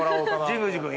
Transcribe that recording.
神宮寺君。